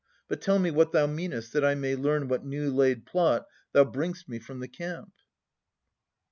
But tell me what thou meanest, that I may learn What new laid plot thou bring'st me from the camp.